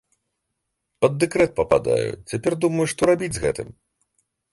Пад дэкрэт падпадаю, цяпер думаю, што рабіць з гэтым.